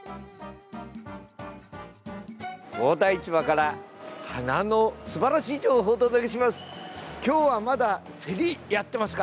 大田市場から花のすばらしい情報をお届けします。